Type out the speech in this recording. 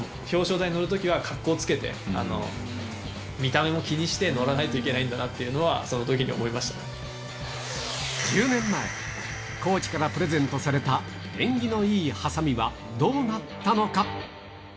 表彰台乗るときは、格好つけて、見た目を気にして乗らないといけないんだなっていうのはそのとき１０年前、コーチからプレゼントされた縁起のいいはさみは、どうなったのか。